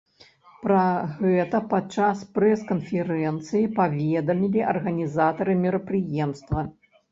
Пра гэта падчас прэс-канферэнцыі паведамілі арганізатары мерапрыемства.